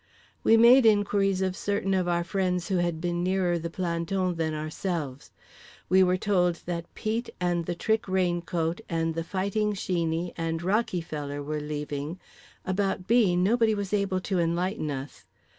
We made inquiries of certain of our friends who had been nearer the planton than ourselves. We were told that Pete and The Trick Raincoat and The Fighting Sheeney and Rockyfeller were leaving—about "B." nobody was able to enlighten us.